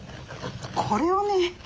これをね